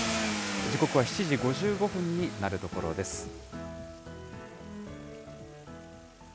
時刻は７時５５分になるところです。